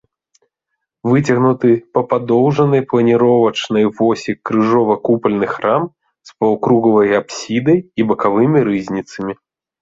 Выцягнуты па падоўжанай планіровачнай восі крыжова-купальны храм з паўкруглай апсідай і бакавымі рызніцамі.